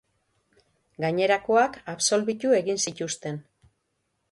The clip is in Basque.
Gainerakoak absolbitu egin zituzten.